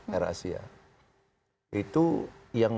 air asia itu sudah berhasil